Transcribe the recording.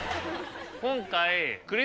今回。